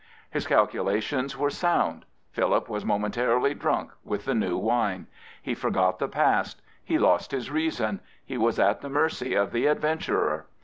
His calculations were sound. Philip was momentarily drunk with the new wine. He forgot the past; he lost his reason; he was at the mercy of the adventurer.